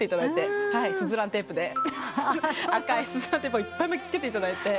赤いスズランテープをいっぱい巻きつけていただいて。